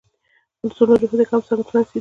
په څو نورو هېوادونو کې هم څانګې پرانیستي دي